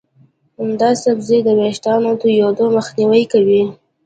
دا سبزی د ویښتانو تویېدو مخنیوی کوي.